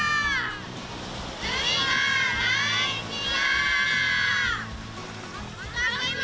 海が大好きだ！